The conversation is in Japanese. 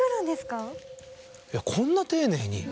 いやこんな丁寧に。